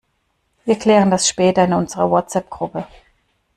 Wir klären das später in unserer WhatsApp-Gruppe.